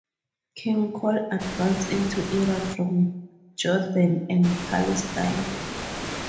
"Kingcol" advanced into Iraq from Jordan and Palestine.